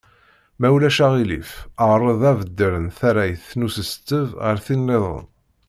Ma ulac aɣilif, ɛreḍ abeddel n tarrayt n usesteb ɣer tin-nniḍen.